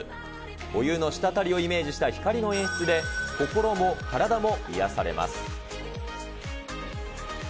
お湯のしたたりをイメージした光の演出で、心も体も癒やされます。